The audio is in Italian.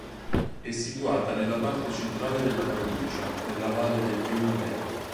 È situata nella parte centrale della provincia, nella valle del fiume Bei.